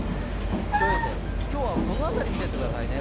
気象衛星、今日はこの辺り見ていってくださいね。